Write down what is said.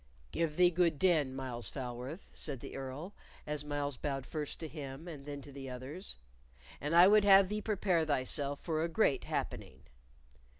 "Give thee good den, Myles Falworth," said the Earl, as Myles bowed first to him and then to the others; "and I would have thee prepare thyself for a great happening."